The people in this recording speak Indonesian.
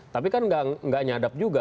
tapi kan nggak nyadap juga